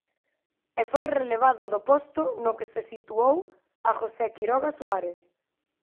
E foi relevado do posto, no que se situou a José Quiroga Suárez.